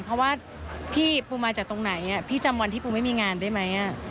เพราะว่าพี่ปูมาจากตรงไหนพี่จำวันที่ปูไม่มีงานได้ไหม